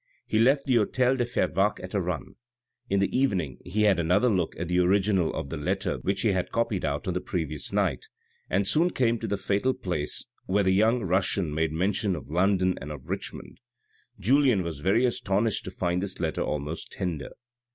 He left the hotel de Fervaques at a run. In the evening he had another look at the original of the letter which he had copied out on the previous night, and soon came to the fatal place where the young Russian made mention of London and of Richmond. Julien was very astonished to find this letter almost tender.